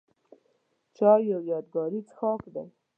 چای یو یادګاري څښاک دی.